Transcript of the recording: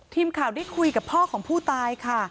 ทีมข่าวได้คุยกับพ่อของผู้ตายค่ะ